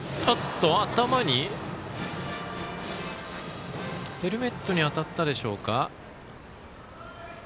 頭に、ヘルメットに当たったでしょうか。